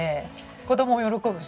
子供も喜ぶし。